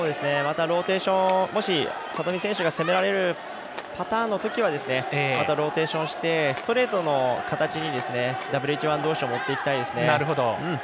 里見選手が攻められるパターンのときはまたローテーションしてストレートの形にＷＨ１どうしを持っていきたいですね。